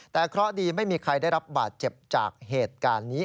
แต่เคราะห์ดีไม่มีใครได้รับบาดเจ็บจากเหตุการณ์นี้